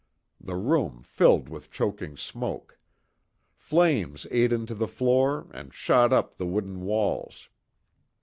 The room filled with choking smoke. Flames ate into the floor and shot up the wooden walls.